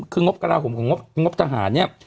คืองบกระลาห่มของงบทหารเนี่ย